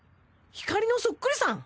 ヒカリのそっくりさん！？